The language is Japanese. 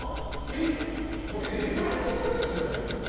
えっ、ええブランドのやつじゃないですか。